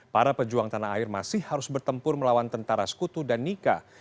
para pejuang tanah air masih harus bertempur melawan tentara sekutu dan nika